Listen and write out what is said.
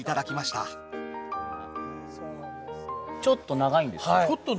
ちょっと長いですね。